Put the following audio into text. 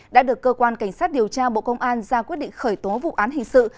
đã được cơ quan cảnh sát điều tra bộ công an ra quyết định khởi tố vụ án hình sự